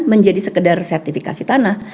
menjadi sekedar sertifikasi tanah